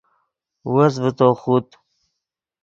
وس ڤے تو خوت